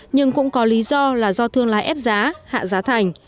nhưng cũng có lý do là do thương lái ép giá hạ giá thành